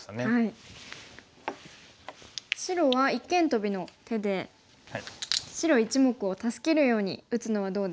白は一間トビの手で白１目を助けるように打つのはどうでしょうか？